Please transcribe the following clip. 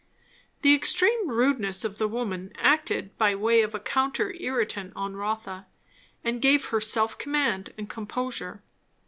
The extreme rudeness of the woman acted by way of a counter irritant on Rotha, and gave her self command and composure.